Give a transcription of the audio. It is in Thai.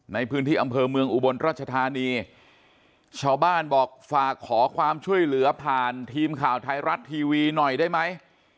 ในพื้นที่อำเภอเมืองอุบลรัชธานีชาวบ้านบอกฝากขอความช่วยเหลือผ่านทีมข่าวไทยรัฐทีวีหน่อยได้ไหม